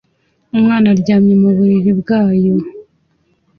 Umwana aryamye mu buriri bwayo